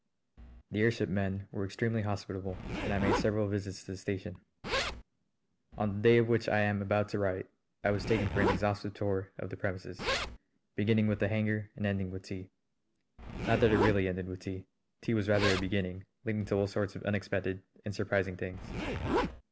The airship men were extremely hospitable, and I made several visits to the station. On the day of which I am about to write I was taken for an exhaustive tour of the premises, beginning with the hangar and ending with tea. Not that it really ended with tea. Tea was rather a beginning, leading to all sorts of unexpected and surprising things.